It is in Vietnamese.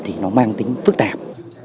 thì nó mang tính phức tạp